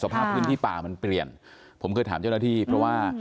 ภาพพื้นที่ป่ามันเปลี่ยนผมเคยถามเจ้าหน้าที่เพราะว่า